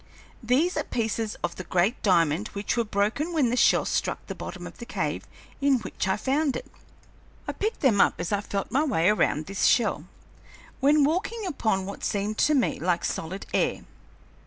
"These are pieces of the great diamond which were broken when the shell struck the bottom of the cave in which I found it. I picked them up as I felt my way around this shell, when walking upon what seemed to me like solid air.